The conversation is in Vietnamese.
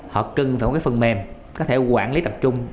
họ cần phải có cái phần mềm có thể quản lý tập trung